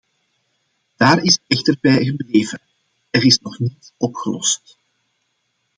Daar is het echter bij gebleven, er is nog niets opgelost.